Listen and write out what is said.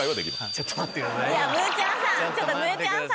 ちょっと待ってまぁね。